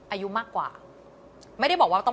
อายุมากกว่าไม่ได้บอกว่าต้อง